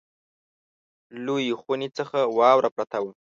لویې خونې څخه واوره پرته وه.